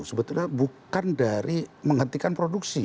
sebetulnya bukan dari menghentikan produksi